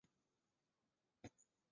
於是自己慢慢走回屋内